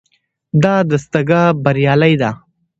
دا دستګاه بریالۍ ده.